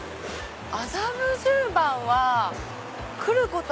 麻布十番は来ること